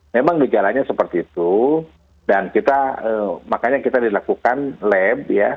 memang gejalanya seperti itu dan kita makanya kita dilakukan lab ya